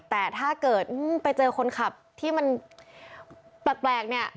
แต่ถ้าเกิดไปเจอคนขับที่มันแปลกเนี่ย